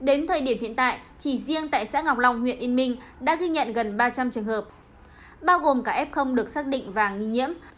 đến thời điểm hiện tại chỉ riêng tại xã ngọc long huyện yên minh đã ghi nhận gần ba trăm linh trường hợp bao gồm cả f được xác định và nghi nhiễm